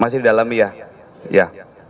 masi didalami ya